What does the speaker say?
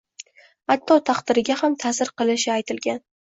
Hatto taqdiriga ham taʼsir qilishi aytilgan.